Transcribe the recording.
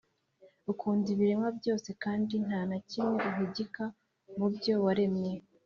Ukunda ibiremwa byose kandi nta na kimwe uhigika mu byo waremye,